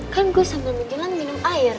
kan gue sambil menjelang minum air